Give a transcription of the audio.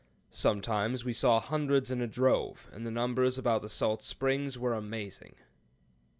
Sometimes we saw hundreds in a drove, and the numbers about the salt springs were amazing."